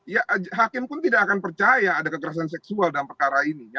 ya hakim pun tidak akan percaya ada kekerasan seksual dalam perkara ini